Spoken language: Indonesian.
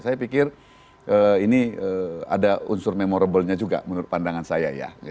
saya pikir ini ada unsur memorable nya juga menurut pandangan saya ya